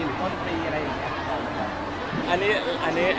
หรือต้นตีอะไรอย่างเงี้ย